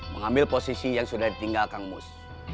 mengambil posisi yang sudah ditinggalkan mus